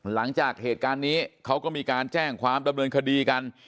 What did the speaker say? หลังจากเหตุการณ์นี้เขาก็มีการแจ้งความดำเนินคดีกัน